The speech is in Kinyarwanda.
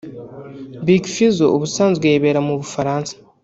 Big Fizzo ubusanzwe yibera mu Bufaransa